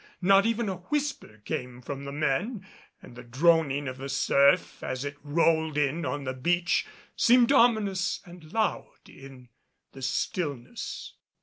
Not even a whisper came from the men, and the droning of the surf as it rolled in on the beach seemed ominous and loud in the stillness.